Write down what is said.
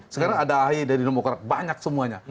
sekarang ada ahy dari demokrat banyak semuanya